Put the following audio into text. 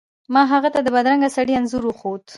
ما هغه ته د بدرنګه سړي انځور وښود.